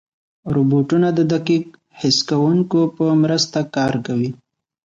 روبوټونه د دقیق حس کوونکو په مرسته کار کوي.